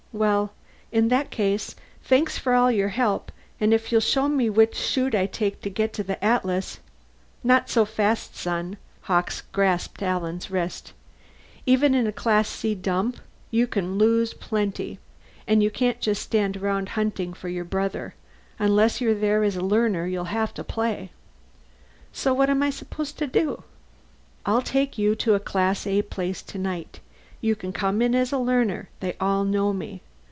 Well, in that case, thanks for all the help, and if you'll show me which Shoot I take to get to the Atlas " "Not so fast, son." Hawkes grasped Alan's wrist. "Even in a Class C dump you can lose plenty. And you can't just stand around hunting for your brother. Unless you're there as a learner you'll have to play." "So what am I supposed to do?" "I'll take you to a Class A place tonight. You can come in as a learner; they all know me.